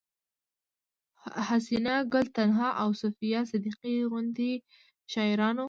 حسينه ګل تنها او صفيه صديقي غوندې شاعرانو